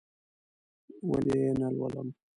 ولې یې نه لولم؟!